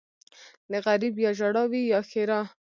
ـ د غريب يا ژړا وي يا ښېرا.